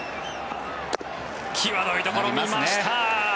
際どいところ、見ました。